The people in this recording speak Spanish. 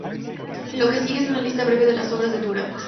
Lo que sigue es una lista breve de las obras de Durant.